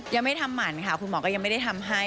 ยังไม่ทำหมั่นค่ะคุณหมอก็ยังไม่ได้ทำให้